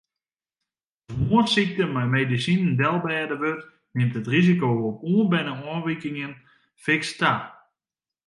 As moarnssykte mei medisinen delbêde wurdt, nimt it risiko op oanberne ôfwikingen fiks ta.